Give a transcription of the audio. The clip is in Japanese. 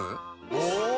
お！